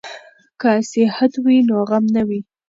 که صحت وي نو غم نه وي.